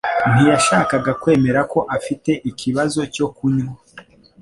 ntiyashakaga kwemera ko afite ikibazo cyo kunywa